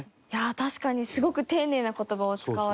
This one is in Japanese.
確かにすごく丁寧な言葉を使われて。